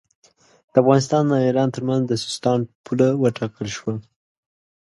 د افغانستان او ایران ترمنځ د سیستان پوله وټاکل شوه.